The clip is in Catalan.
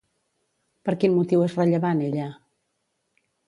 Per quin motiu és rellevant ella?